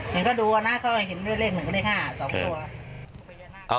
เห็นก็ดูอะนะเขาเห็นเลข๑ก็เลข๕ค่ะ๒ก็เลข๕